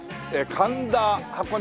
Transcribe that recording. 神田箱根